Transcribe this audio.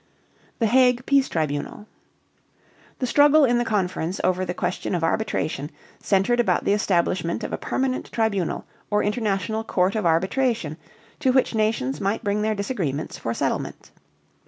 THE HAGUE PEACE TRIBUNAL. The struggle in the conference over the question of arbitration centered about the establishment of a permanent tribunal or international court of arbitration to which nations might bring their disagreements for settlement.